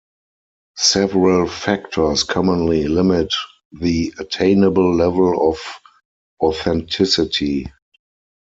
Several factors commonly limit the attainable level of authenticity.